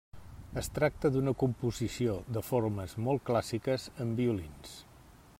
Es tracta d'una composició de formes molt clàssiques amb violins.